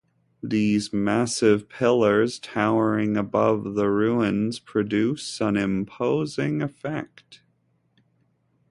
These massive pillars towering above the ruins produce an imposing effect.